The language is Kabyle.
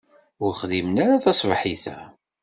Ur xdimen ara taṣebḥit-a.